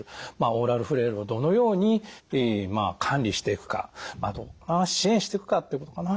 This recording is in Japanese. オーラルフレイルをどのように管理していくかどんな支援していくかってことかな。